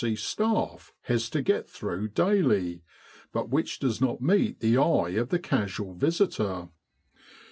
C. staff has to get through daily, but which does not meet the eye of the casual visitor.